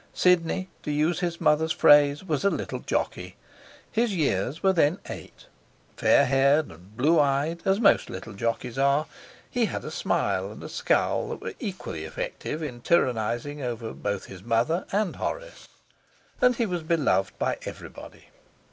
Sidney, to use his mother's phrase, was a little jockey. His years were then eight. Fair haired and blue eyed, as most little jockeys are, he had a smile and a scowl that were equally effective in tyrannizing over both his mother and Horace, and he was beloved by everybody.